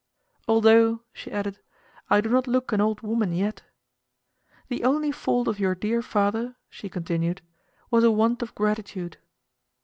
"Although," she added, "I do not look an old woman yet." "The only fault of your dear father," she continued, "was a want of gratitude."